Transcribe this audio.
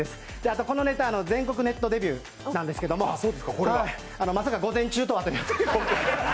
あとこのネタ、全国ネットデビューなんですけどまさか午前中とはという。